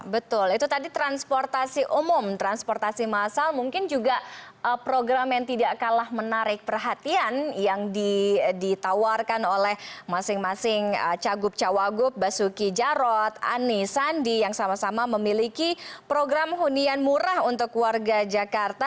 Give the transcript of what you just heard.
betul itu tadi transportasi umum transportasi massal mungkin juga program yang tidak kalah menarik perhatian yang ditawarkan oleh masing masing cagup cawagup basuki jarot anies sandi yang sama sama memiliki program hunian murah untuk warga jakarta